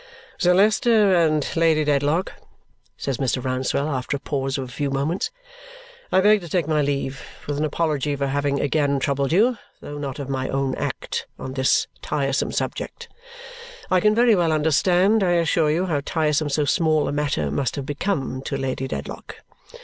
"Sir Leicester and Lady Dedlock," says Mr. Rouncewell after a pause of a few moments, "I beg to take my leave, with an apology for having again troubled you, though not of my own act, on this tiresome subject. I can very well understand, I assure you, how tiresome so small a matter must have become to Lady Dedlock.